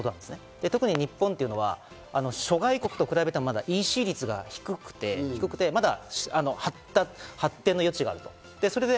特に日本というのは諸外国と比べても、ＥＣ率がまだ低くて、発展の余地がある。